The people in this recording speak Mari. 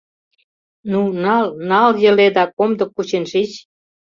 Ну, нал, нал йыле да комдык кучен шич.